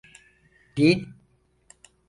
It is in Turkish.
Din…